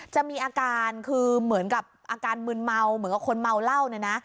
จะมีอาการคือเหมือนกับอาการมืนเมาเหมือนกับคนเมาเหล้าเนี่ยนะ